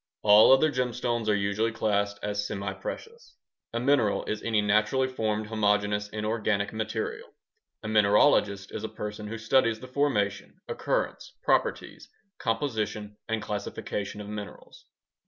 All other gemstones are usually classed as semiprecious. A mineral is any naturally formed homogeneous inorganic material. A mineralogist is a person who studies the formation, occurrence, properties, composition, and classification of minerals.